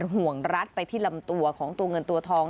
ห่วงรัดไปที่ลำตัวของตัวเงินตัวทอง